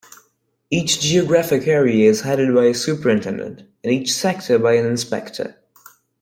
Each Geographic Area is headed by a Superintendent and each Sector by an Inspector.